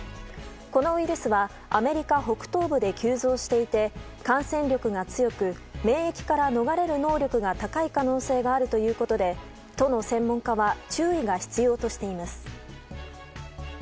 このウイルスはアメリカ北東部で急増していて感染力が強く免疫から逃れる能力が高いという可能性があるということで都の専門家は注意が必要としています。